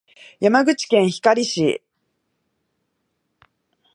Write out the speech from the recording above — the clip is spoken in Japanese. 山口県光市